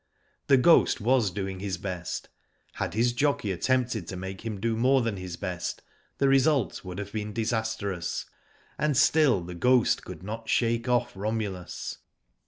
The Ghost was doing his best. Had his jockey attempted to make him do more than his best, the result would have been disastrous And still The Ghost could not shake off Romulus.